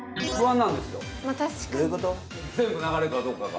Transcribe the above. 全部流れるかどうかが。